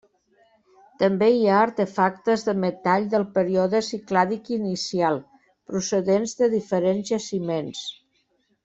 També hi ha artefactes de metall del període Ciclàdic inicial procedents de diferents jaciments.